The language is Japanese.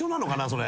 それ。